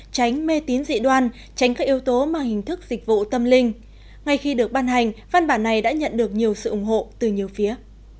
tránh mê tín dị đoan tránh các yếu tố mang hình thức dịch vụ tâm linh ngay khi được ban hành văn bản này đã nhận được nhiều sự ủng hộ từ nhiều phía